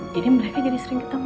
jadi mereka jadi sering ketemu